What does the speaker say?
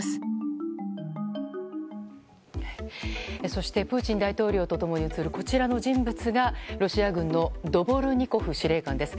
そしてプーチン大統領と共に写るこちらの人物が、ロシア軍のドボルニコフ司令官です。